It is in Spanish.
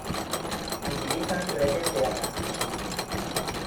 Utilizan redes de arrastre.